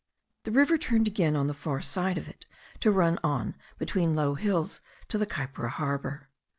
The river turned again on the far side of it to run on between low hills to the Kaipara harbour.